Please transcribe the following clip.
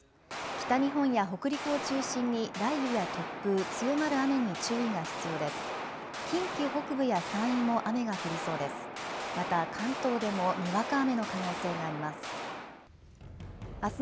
北日本や北陸を中心に雷雨や突風、強まる雨に注意が必要です。